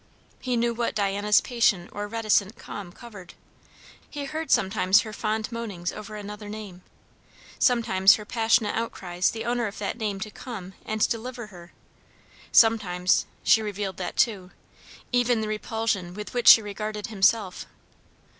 He knew what Diana's patient or reticent calm covered. He heard sometimes her fond moanings over another name; sometimes her passionate outcries the owner of that name to come and deliver her; sometimes she revealed that too even the repulsion with which she regarded himself.